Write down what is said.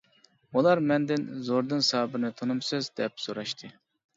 ئۇلار مەندىن «زوردۇن سابىرنى تونۇمسىز؟ » دەپ سوراشتى.